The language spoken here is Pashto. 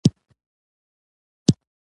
په پای کې معلومه شول.